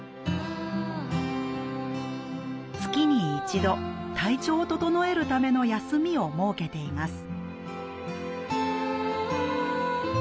月に一度体調を整えるための休みを設けています